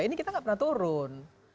ini kita nggak pernah turun